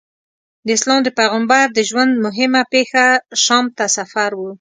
د اسلام د پیغمبر د ژوند موهمه پېښه شام ته سفر و.